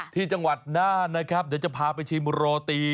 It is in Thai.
ที่จังหวัดน่านนะครับเดี๋ยวจะพาไปชิมโรตี